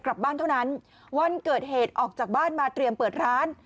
กลับบ้านเท่านั้นวันเกิดเหตุออกจากบ้านมาเตรียมเปิดร้าน